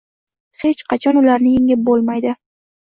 hech qachon ularni yengib bo‘lmaydi.